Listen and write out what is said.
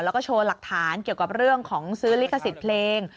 แล้วก็โชว์หลักฐานเกี่ยวกับเรื่องของซื้อลิขสิทธิ์เพลง